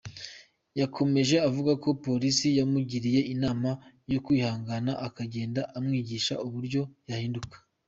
Yakomeje avuga ko Polisi yamugiriye inama yo kwihangana akagenda amwigisha uburyo yahinduka.